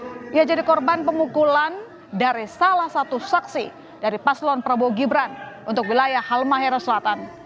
ia jadi korban pemukulan dari salah satu saksi dari paslon prabowo gibran untuk wilayah halmahero selatan